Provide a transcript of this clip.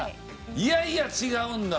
いやいや違うんだと。